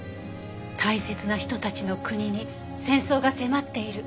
大切な人たちの国に戦争が迫っている。